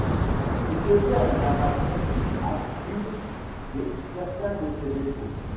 Il se sert d'un narrateur qu'il affuble de certains de ses défauts.